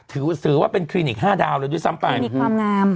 ถือว่าเป็นคลินิกห้าดาวเลยด้วยซ้ำไปมีความงาม